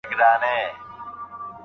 مدیتیشن د ذهن د سکون لاره ده.